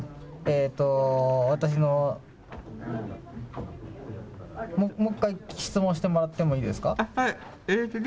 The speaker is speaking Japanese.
私も、もう一回、質問してもらってもいいですか。